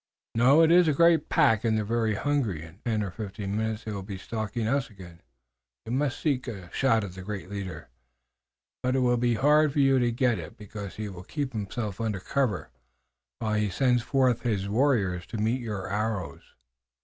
"No, it is a great pack, and they are very hungry. In ten or fifteen minutes they will be stalking us again. You must seek a shot at the giant leader, but it will be hard for you to get it because he will keep himself under cover, while he sends forth his warriors to meet your arrows.